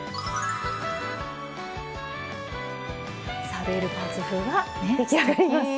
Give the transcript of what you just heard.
サルエルパンツ風が出来上がります。